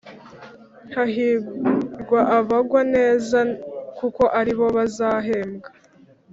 Hahirwa abagwa neza kuko aribo bazahembwa